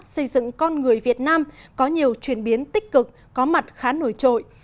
xây dựng con người việt nam có nhiều chuyển biến tích cực có mặt khá nổi trội